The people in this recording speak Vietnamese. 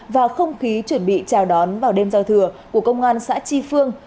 và không khí chuẩn bị chào đón vào đêm giao thừa của công an xã tri phương